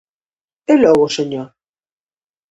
E logo, señor?